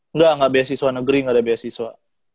enggak enggak beasiswa negeri enggak ada beasiswa